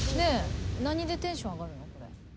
何でテンション上がるの？